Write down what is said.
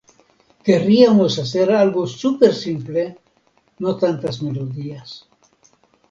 Queríamos hacer algo super simple, no tantas melodías.